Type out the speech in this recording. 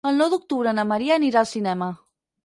El nou d'octubre na Maria anirà al cinema.